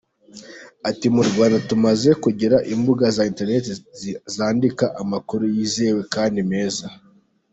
Ati “Mu Rwanda tumaze kugira imbuga za Interineti zandika amakuru yizewe kandi meza.